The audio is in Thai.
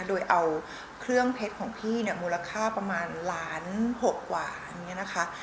โดยเอาเครื่องเพชรของพี่เนี่ยมูลค่าประมาณล้านหกกว่านี้นะคะ